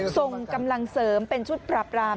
ส่งกำลังเสริมเป็นชุดปราบราม